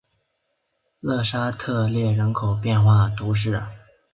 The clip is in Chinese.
勒沙特列人口变化图示